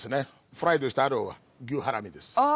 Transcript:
フライドしてある牛ハラミです。